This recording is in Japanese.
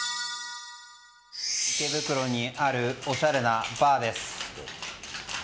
池袋にあるおしゃれなバーです。